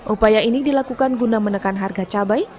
upaya ini dilakukan guna menekan harga cabai